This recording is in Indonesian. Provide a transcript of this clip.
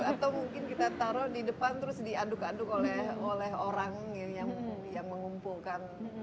atau mungkin kita taruh di depan terus diaduk aduk oleh orang yang mengumpulkan